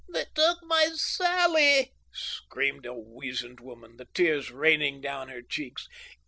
"They took my Sally," screamed a wizened woman, the tears raining down her checks.